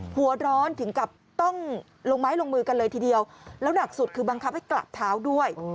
หัวร้อนถึงกับต้องลงไม้ลงมือกันเลยทีเดียวแล้วหนักสุดคือบังคับให้กราบเท้าด้วย